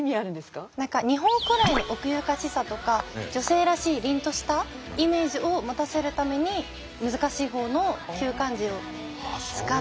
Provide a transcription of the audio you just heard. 何か日本古来の奥ゆかしさとか女性らしい凛としたイメージを持たせるために難しい方の旧漢字を使っています。